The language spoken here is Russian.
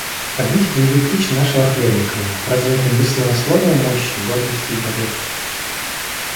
Возьмите боевые кличи нашего Хлебникова, разве это не славословие мощи, гордости и побед?